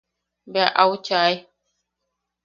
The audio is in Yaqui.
Bea au chae.